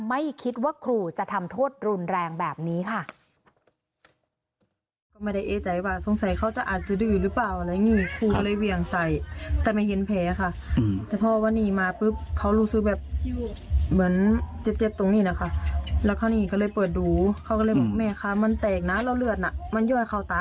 ไม่คิดว่าครูจะทำโทษรุนแรงแบบนี้ค่ะ